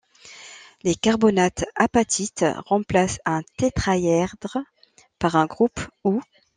Les carbonate-apatites remplacent un tétraèdre par un groupe ou.